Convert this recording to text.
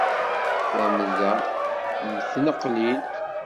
Tamda m tneqlin.